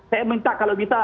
saya minta kalau bisa